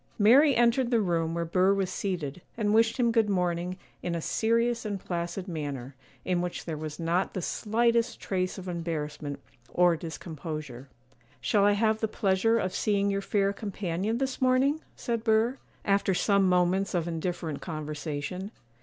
Mary entered the room where Burr was seated, and wished him good morning, in a serious and placid manner, in which there was not the slightest trace of embarrassment or discomposure. 'Shall I have the pleasure of seeing your fair companion this morning?' said Burr, after some moments of indifferent conversation.